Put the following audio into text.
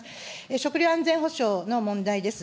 食料安全保障の問題です。